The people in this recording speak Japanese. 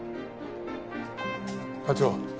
課長